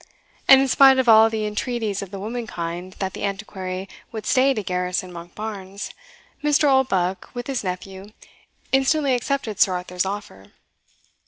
And in spite of all the entreaties of the womankind that the Antiquary would stay to garrison Monkbarns, Mr. Oldbuck, with his nephew, instantly accepted Sir Arthur's offer.